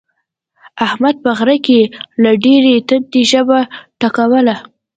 احمد په غره کې له ډېرې تندې ژبه ټکوله.